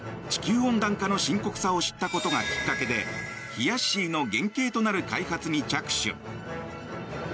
地球温暖化の深刻さを知ったことがきっかけでひやっしーの原型となる開発に着手。